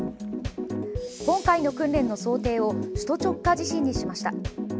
今回の訓練の想定を首都直下地震にしました。